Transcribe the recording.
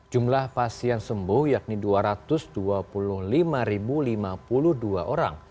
jumlah pasien sembuh yakni dua ratus dua puluh lima lima puluh dua orang